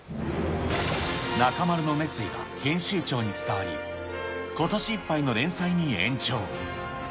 中丸の熱意が編集長に伝わり、ことしいっぱいの連載に延長。